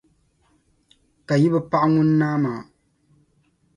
ka yi bɛ paɣi ŋun naa maa.